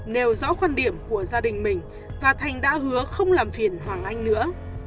nêu rõ quan điểm của gia đình mình và thành đã hứa không làm phiền hoàng anh nữa